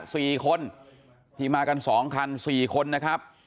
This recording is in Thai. สี่คนที่มากันสองคันสี่คนนะครับ